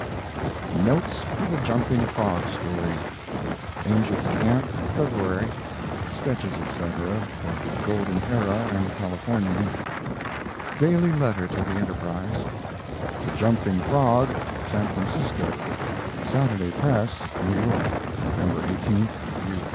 Notes for the Jumping Frog story; Angel's Camp, February. Sketches etc., for the Golden Era and Californian. Daily letter to the Enterprise. THE JUMPING FROG (San Francisco) Saturday Press. New York, November 18. U.